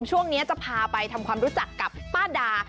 ช่วงนี้จะพาไปทำความรู้จักกับป้าดา